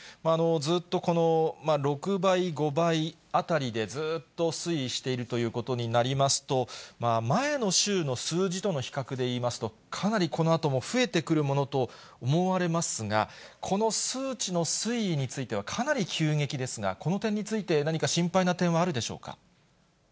ずっと、この６倍、５倍あたりでずっと推移しているということになりますと、前の週の数字との比較でいいますと、かなりこのあとも増えてくるものと思われますが、この数値の推移については、かなり急激ですが、この点について、何か心配な点はあるでしょうか？